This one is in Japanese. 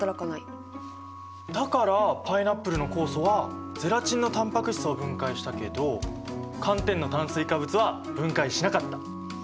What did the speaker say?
だからパイナップルの酵素はゼラチンのタンパク質を分解したけど寒天の炭水化物は分解しなかった！